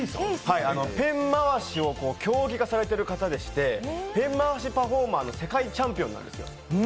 ペン回しを競技化されている方でしてペン回しパフォーマーの世界チャンピオンなんですよ。